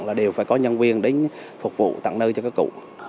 là đều phải có nhân viên đến phục vụ tặng nơi cho các cụ